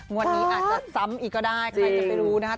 วันนี้อาจจะซ้ำอีกก็ได้ใครจะไปรู้นะคะ